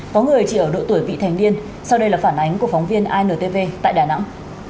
có người chỉ ở độ tuổi vị thành niên sau đây là phản ánh của phóng viên intv tại đà nẵng